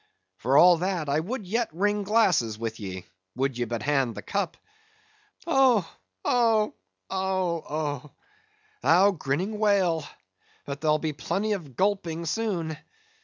For all that, I would yet ring glasses with ye, would ye but hand the cup! Oh, oh! oh, oh! thou grinning whale, but there'll be plenty of gulping soon!